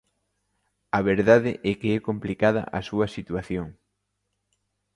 A verdade é que é complicada a súa situación.